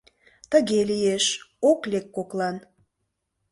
Тыге лиеш: ок лек коклан.